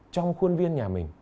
trong khuôn viên nhà mình